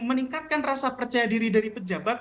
meningkatkan rasa percaya diri dari pejabat